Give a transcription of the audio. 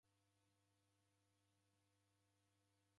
Mlindiri ocheresha